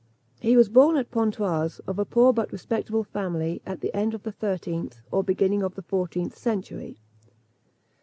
He was born at Pontoise, of a poor but respectable family, at the end of the thirteenth, or beginning of the fourteenth century.